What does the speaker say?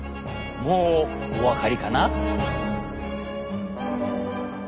もうお分かりかな？